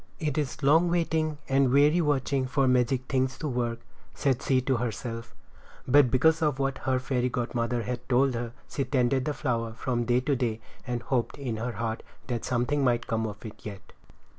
"It is long waiting and weary watching for magic things to work," said she to herself; but because of what her fairy godmother had told her, she tended the flower from day to day, and hoped in her heart that something might come of it yet.